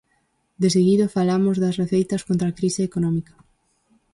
Deseguido, falamos das receitas contra a crise económica.